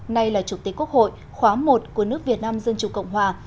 nay là chủ tịch quốc hội khóa một của nước việt nam dân chủ cộng hòa